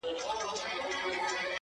لونگينه څڼوره” مروره”